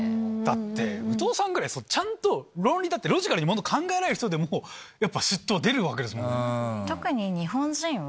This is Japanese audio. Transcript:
だって武藤さんぐらいちゃんと論理立ててロジカルにものを考えられる人でもやっぱ嫉妬は出るわけですもんね。